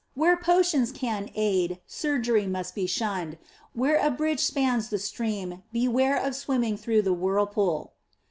Where potions can aid, surgery must be shunned. Where a bridge spans the stream, beware of swimming through the whirlpool."